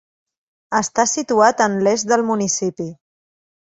Està situat en l'est del municipi.